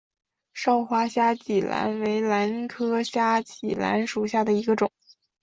少花虾脊兰为兰科虾脊兰属下的一个种。